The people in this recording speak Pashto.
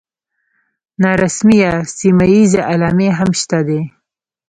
نارسمي یا سیمه ییزې علامې هم شته دي.